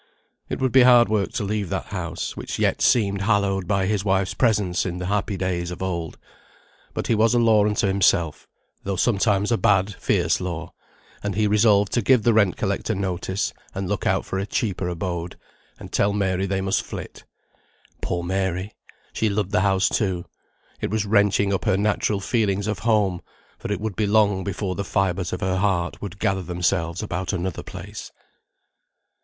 It would be hard work to leave that house, which yet seemed hallowed by his wife's presence in the happy days of old. But he was a law unto himself, though sometimes a bad, fierce law; and he resolved to give the rent collector notice, and look out for a cheaper abode, and tell Mary they must flit. Poor Mary! she loved the house, too. It was wrenching up her natural feelings of home, for it would be long before the fibres of her heart would gather themselves about another place.